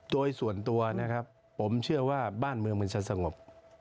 โดยส่วนตัวนะครับผมเชื่อว่าบ้านเมืองมันจะสงบ